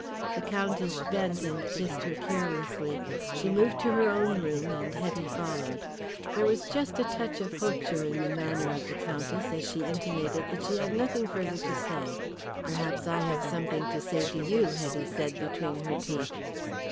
The Countess bent and kissed her carelessly. She moved to her own room and Hetty followed. There was just a touch of hauteur in the manner of the Countess as she intimated that she had nothing further to say. "Perhaps I have something to say to you," Hetty said between her teeth.